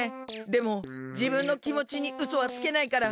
でもじぶんのきもちにうそはつけないから。